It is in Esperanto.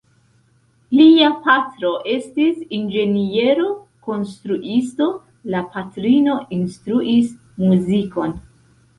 Lia patro estis inĝeniero-konstruisto, la patrino instruis muzikon.